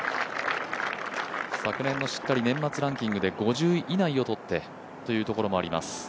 昨年の年末ランキングでしっかり５０位以内をとってというところもあります。